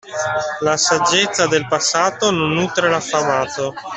La saggezza del passato non nutre l'affamato.